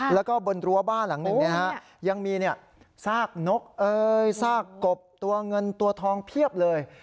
แล้วก็บนรั้วบ้านหลังหนึ่งยังมีซากนกซากกบตัวเงินตัวทองเพียบเลย